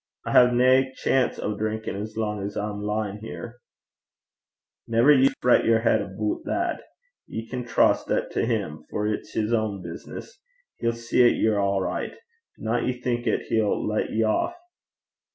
I hae nae chance o' drinkin' as lang's I'm lyin' here.' 'Never ye fash yer heid aboot that. Ye can lippen (trust) that to him, for it's his ain business. He'll see 'at ye're a' richt. Dinna ye think 'at he'll lat ye aff.'